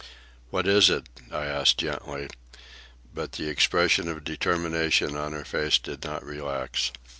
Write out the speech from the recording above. "What is it?" I asked gently; but the expression of determination on her face did not relax.